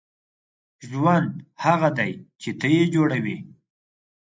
• ژوند هغه دی چې ته یې جوړوې.